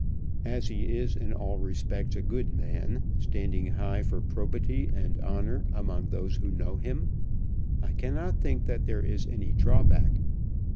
As he is in all respects a good man, standing high for probity and honour among those who know him, I cannot think that there is any drawback.